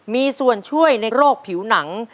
มีส่วนช่วยในโรคผิวหนัง